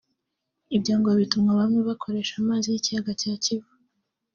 Ibyo ngo bituma bamwe bakoresha amazi y’ikiyaga cya Kivu